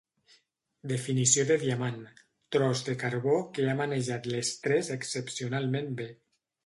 Definició de diamant: tros de carbó que ha manejat l'estrès excepcionalment bé.